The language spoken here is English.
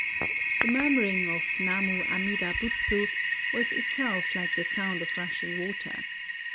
The murmuring of Namu Amida Butsu was itself like the sound of rushing water.